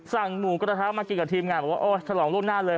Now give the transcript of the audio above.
สั่งหมูกระทะมากกินกับทีมงานบอกว่าเชาะร่องโลกหน้าเลย